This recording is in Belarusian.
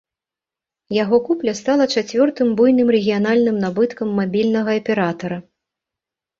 Яго купля стала чацвёртым буйным рэгіянальным набыткам мабільнага аператара.